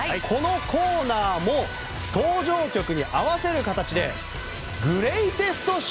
このコーナーも登場曲に合わせる形でグレイテスト